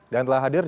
dan telah hadir di